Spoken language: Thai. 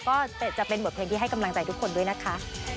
ก็จะเป็นบทเพลงที่ให้กำลังใจทุกคนด้วยนะคะ